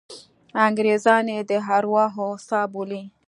انګریزان یې د ارواحو څاه بولي.